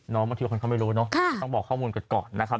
บางทีคนเขาไม่รู้เนอะต้องบอกข้อมูลกันก่อนนะครับ